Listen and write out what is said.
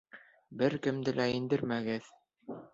Бер кемде лә индермәгеҙ!